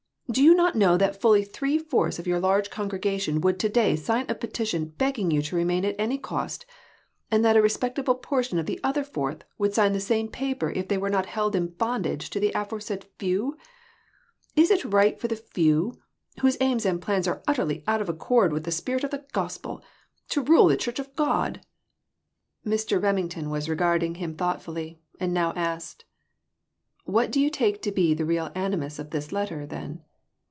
Do you not know that fully three fourths of your large congregation would to day sign a peti tion begging you to remain at any cost, and that a respectable portion of the other fourth would sign the same paper if they were not held in bondage to the aforesaid few ? Is it right for the few, whose aims and plans are utterly out of accord with the spirit of the gospel, to rule the church of God ?" PRECIPITATION. 347 Mr. Remington was regarding him thought fully, and now asked "What do you take to be the real animus of this letter, then?